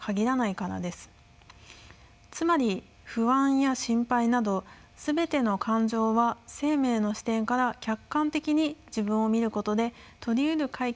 つまり不安や心配など全ての感情は生命の視点から客観的に自分を見ることで取りうる解決策が見えてきます。